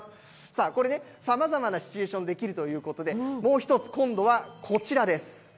さあ、これね、さまざまなシチュエーションでできるということで、もう１つ、今度はこちらです。